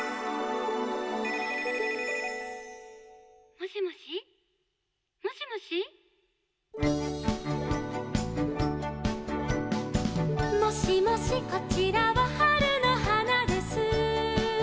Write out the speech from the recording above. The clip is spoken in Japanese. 「もしもしもしもし」「もしもしこちらは春の花です」